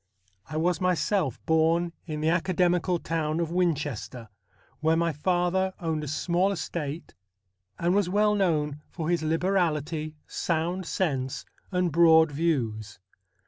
I was myself born in the academical town of Winchester, where my father owned a small estate, THE BLUE STAR 25 and was well known for his liberality, sound sense, and broad views.